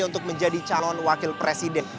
untuk menjadi calon wakil presiden